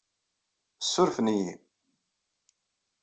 Ssurfen-iyi.